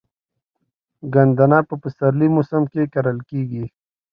ګندنه په پسرلي موسم کې کرل کیږي.